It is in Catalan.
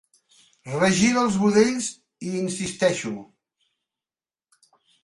Regira els budells, hi insisteixo.